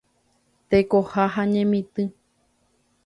Tekoha ha Ñemitỹ.